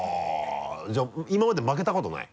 じゃあ今まで負けたことない？